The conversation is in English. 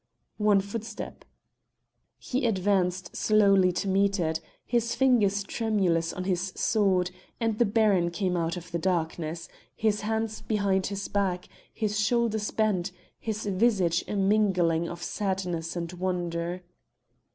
One footstep. He advanced slowly to meet it, his fingers tremulous on his sword, and the Baron came out of the darkness, his hands behind his back, his shoulders bent, his visage a mingling of sadness and wonder.